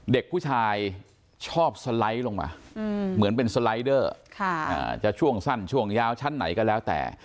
เด็กผู้ชายชอบสไลด์ลงมาเหมือนเป็นสไลดเดอร์จะช่วงสั้นช่วงยาวชั้นไหนก็แล้วแต่